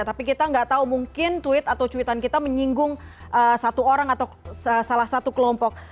tapi kita nggak tahu mungkin tweet atau cuitan kita menyinggung satu orang atau salah satu kelompok